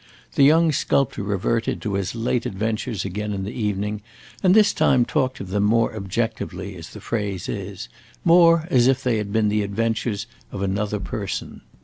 The young sculptor reverted to his late adventures again in the evening, and this time talked of them more objectively, as the phrase is; more as if they had been the adventures of another person.